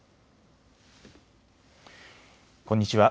こんにちは。